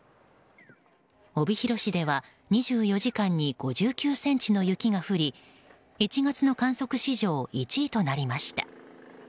帯広市では２４時間に５９ｃｍの雪が降り１月の観測史上１位となりました。